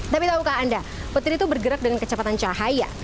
tapi tahukah anda petir itu bergerak dengan kecepatan cahaya